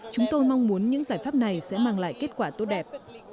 chúng tôi mong muốn những giải pháp này sẽ mang lại kết quả tốt đẹp